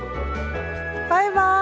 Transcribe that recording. バイバーイ！